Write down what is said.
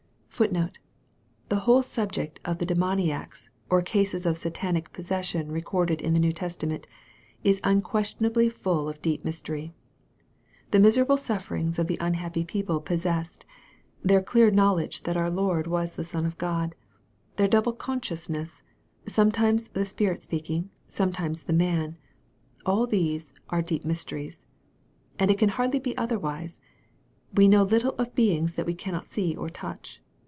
The whole subject of the demoniacs, or cases of Satanic posses sion recorded in the New Testament, is unquestionably full of deep mystery. The miserable sufferings of the unhappy people possessed their clear knowledge that our Lord was the Son of God their double consciousness, sometimes the spirit speaking, sometimes the man all these are deep mysteries. And it can hardly be otherwise, We know little of beings that we cannot see or touch.